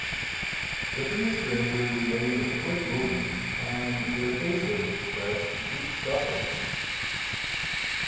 The three strangers made a quick movement, and their faces expressed deep suffering.